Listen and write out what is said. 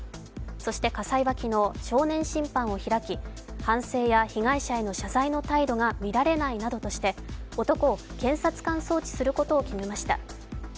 そして家裁は昨日、少年審判を開き反省や被害者への謝罪の態度が見られないなどとして男を検察官送致することを決めました。